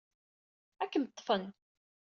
Ad kem-ḍḍfen.